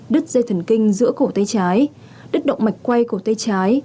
đứt dây thần kinh giữa cổ tay trái đứt động mạch quay của tay trái